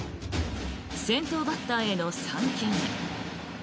先頭バッターへの３球目。